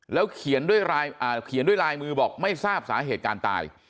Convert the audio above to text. แล้วเขียนด้วยเขียนด้วยลายมือบอกไม่ทราบสาเหตุการตาย